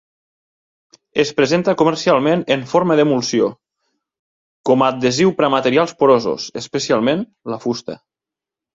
Es presenta comercialment en forma d'emulsió, com adhesiu per a materials porosos, especialment la fusta.